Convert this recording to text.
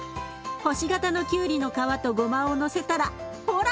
星形のきゅうりの皮とごまをのせたらほら！